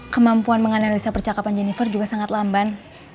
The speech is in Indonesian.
kemampuan menganalisa percakapan jennifer juga sangat lamban